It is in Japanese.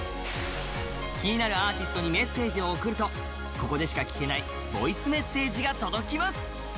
気になるアーティストにメッセージを送るとここでしか聞けないボイスメッセージが届きます！